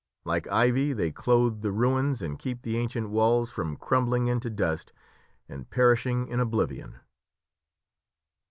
Like ivy, they clothe the ruins and keep the ancient walls from crumbling into dust and perishing in oblivion!"